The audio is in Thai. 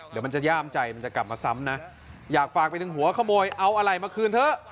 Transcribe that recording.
เดี๋ยวมันจะย่ามใจมันจะกลับมาซ้ำนะอยากฝากไปถึงหัวขโมยเอาอะไรมาคืนเถอะ